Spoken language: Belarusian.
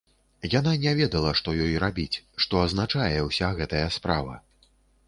Яна не ведала, што ёй рабіць, што азначае ўся гэтая справа.